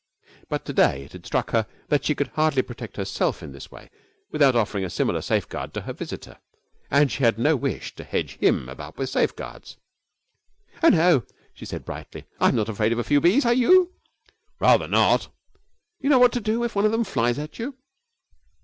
But to day it had struck her that she could hardly protect herself in this way without offering a similar safeguard to her visitor, and she had no wish to hedge him about with safeguards. 'Oh, no,' she said, brightly; 'I'm not afraid of a few bees. Are you?' 'Rather not!' 'You know what to do if one of them flies at you?'